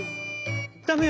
「ダメよ！